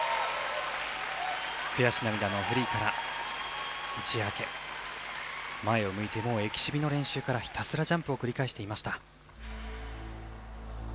悔し涙のフリーから一夜明け前を向いてもうエキシビの練習からひたすらジャンプを繰り返していました。